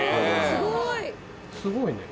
すごいね。